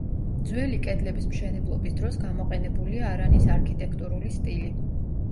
ძველი კედლების მშენებლობის დროს გამოყენებულია არანის არქიტექტურული სტილი.